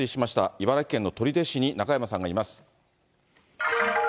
茨城県の取手市に中山さんがいます。